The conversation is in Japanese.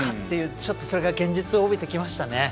ちょっと、それが現実を帯びてきました。